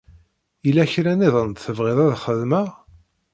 Yella kra niḍen tebɣiḍ ad xedmeɣ?